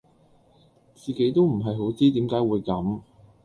自己都唔係好知點解會咁